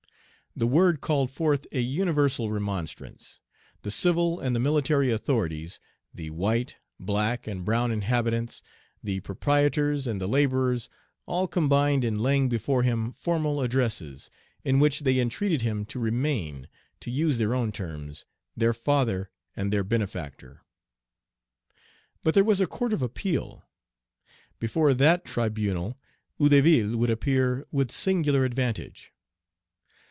The word called forth a universal remonstrance. The civil and the military authorities, the white, black, and brown inhabitants, the proprietors and the laborers, all combined in laying before him formal addresses, in which they entreated him to remain, to use their own terms, "their father and their benefactor." But there was a court of appeal. Before that tribunal Hédouville would appear with singular advantage.